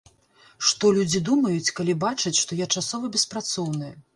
Што людзі думаюць, калі бачаць, што я часова беспрацоўны?